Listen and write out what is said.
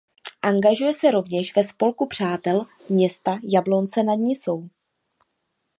Angažuje se rovněž ve Spolku přátel města Jablonce nad Nisou.